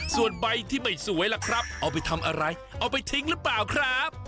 ส่วนใบที่ไม่สวยล่ะครับเอาไปทำอะไรเอาไปทิ้งหรือเปล่าครับ